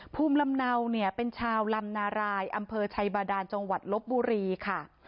ภูมิลำเนาเนี่ยเป็นชาวลำนารายอำเภอชัยบาดานจังหวัดลบบุรีค่ะ